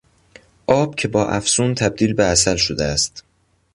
آب که با افسون تبدیل به عسل شده است